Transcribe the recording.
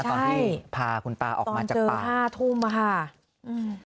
ตอนที่พาคุณป้าออกมาจากป่าตอนเจอ๕ทุ่มค่ะอืม